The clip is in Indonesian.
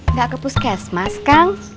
nggak ke puskes mas kang